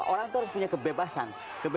orang itu harus punya kebebasan